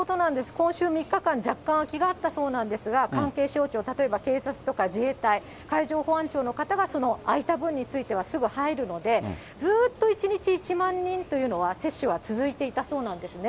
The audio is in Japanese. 今週３日間、若干空きがあったそうなんですが、関係省庁、例えば警察とか自衛隊、海上保安庁の方がその空いた分についてはすぐ入るので、ずっと１日１万人というのは、接種は続いていたそうなんですね。